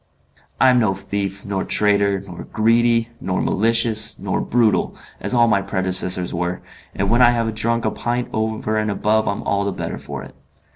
"I'm no thief, nor traitor, nor greedy, nor malicious, nor brutal, as all my predecessors were, and when I have drunk a pint over and above I am all the better for it.